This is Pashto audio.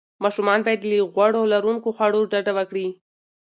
ماشومان باید له غوړ لروونکو خوړو ډډه وکړي.